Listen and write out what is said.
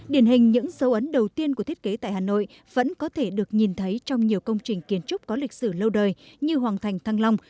điển hình những dấu ấn đầu tiên của thiết kế tại hà nội vẫn có thể được nhìn thấy trong nhiều công trình kiến trúc có lịch sử lâu đời như hoàng thành thăng long